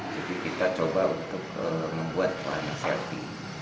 jadi kita coba untuk membuat warna selfie